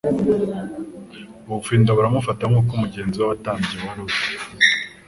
ubufindo buramufata nk'uko umugenzo w'abatambyi wari uri